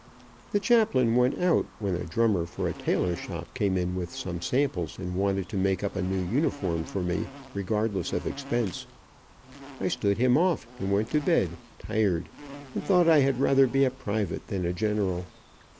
The chaplain went out, when a drummer for a tailor shop came in with some samples, and wanted to make up a new uniform for me, regardless of expense. I stood him off, and went to bed, tired, and thought I had rather be a private than a general.